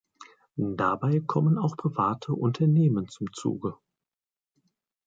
Dabei kommen auch private Unternehmen zum Zuge.